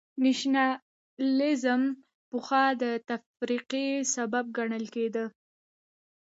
نېشنلېزم پخوا د تفرقې سبب ګڼل کېده.